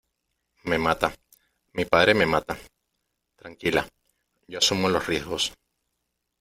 me mata , mi padre me mata . tranquila , yo asumo los riesgos .